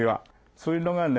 そういうのがね